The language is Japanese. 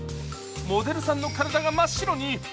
モデルさんの体が真っ白に。